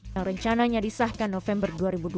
yang rencananya disahkan november dua ribu dua puluh